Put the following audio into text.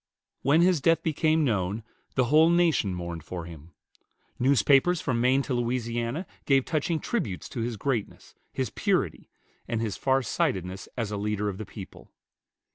When his death became known, the whole nation mourned for him. Newspapers from Maine to Louisiana gave touching tributes to his greatness, his purity, and his far sightedness as a leader of the people.